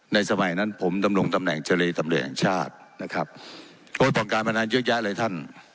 ในสมัยนั้นผมตำนวงตำแหล่ง๙๘ฉาดนะครับกฎการพนันดิ์เยอะแยะเลยท่าน